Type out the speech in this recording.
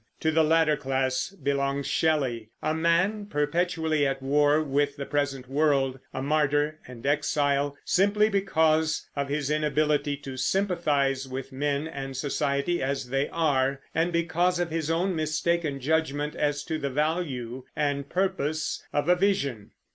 To the latter class belongs Shelley, a man perpetually at war with the present world, a martyr and exile, simply because of his inability to sympathize with men and society as they are, and because of his own mistaken judgment as to the value and purpose of a vision.